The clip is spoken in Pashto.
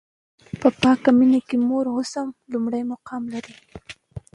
په پاکه مینه کې مور اوس هم لومړی مقام لري.